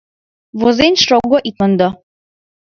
Возен шого, ит мондо!»